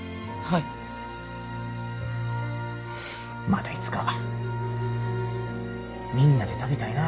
またいつかみんなで食べたいな。